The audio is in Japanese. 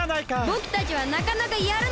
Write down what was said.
ぼくたちはなかなかやるのだ。